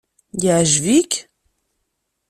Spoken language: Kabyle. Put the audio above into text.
Yeɛjeb-ik?